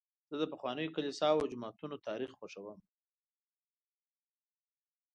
زه د پخوانیو کلیساوو او جوماتونو تاریخ خوښوم.